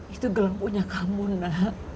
itu gelam punya kamu nona